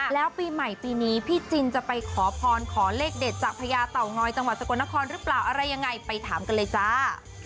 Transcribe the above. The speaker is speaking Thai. แล้วปีใหม่ปีนี้พี่จินจะไปขอพรขอเลขเด็ดจากพญาเต่างอยจังหวัดสกลนครหรือเปล่าอะไรยังไงไปถามกันเลยจ้า